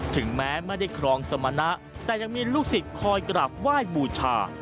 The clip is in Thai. ถึงแม้ไม่ได้ครองสมณะแต่ยังมีลูกศิษย์คอยกราบไหว้บูชา